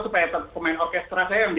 supaya pemain orkestra juga bisa berhasil